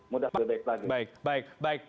mudah dan lebih baik lagi baik baik